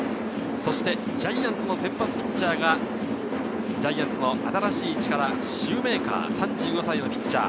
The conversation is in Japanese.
そしてジャイアンツの先発ピッチャーがジャイアンツの新しい力、シューメーカー、３５歳のピッチャー。